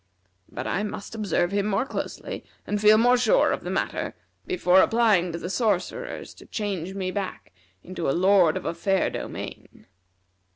But I must observe him more closely, and feel more sure of the matter, before applying to the sorcerers to change me back into a lord of a fair domain."